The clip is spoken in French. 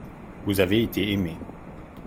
vous avez été aimé.